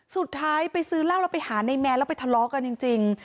สุดท้ายไปซื้อเหล้าแล้วไปหาในแมนแล้วไปทะเลาะกันจริง